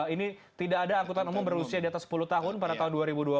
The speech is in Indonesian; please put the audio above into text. ini tidak ada angkutan umum berusia di atas sepuluh tahun pada tahun dua ribu dua puluh